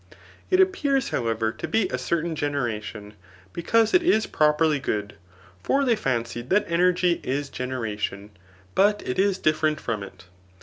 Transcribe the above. It appears, however, ^ be a certain generation, because it is properly good ; for they fancied that energy is generation ; but it is dif ferent from it.